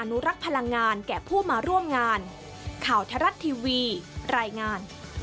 โปรดติดตามตอนต่อไป